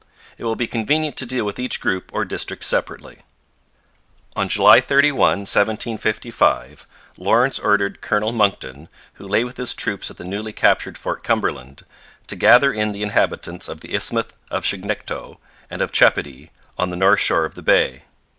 It will be convenient to deal with each group or district separately. On July 31, 1755, Lawrence ordered Colonel Monckton, who lay with his troops at the newly captured Fort Cumberland, to gather in the inhabitants of the isthmus of Chignecto, and of Chepody, on the north shore of the Bay.